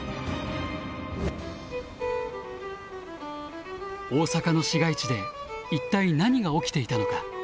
大阪の市街地で一体何が起きていたのか。